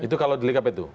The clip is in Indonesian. itu kalau delik apa itu